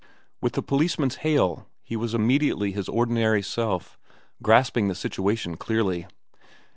With the policeman's hail he was immediately his ordinary self, grasping the situation clearly.